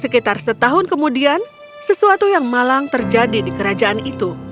sekitar setahun kemudian sesuatu yang malang terjadi di kerajaan itu